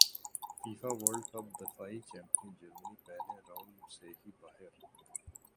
FIFA world cup دفاعی champion Germany پہلے round سے ہی باہر